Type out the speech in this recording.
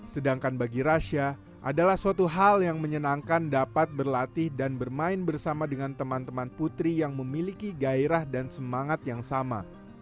sedangkan bagi rasha adalah suatu hal yang menyenangkan dapat berlatih dan bermain bersama dengan teman teman putri yang memiliki gairah dan semangat yang sama